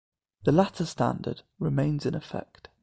The latter standard remains in effect.